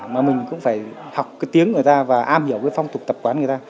mà mình cũng phải học cái tiếng người ta và am hiểu cái phong tục tập quán người ta